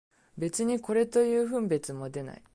別にこれという分別も出ない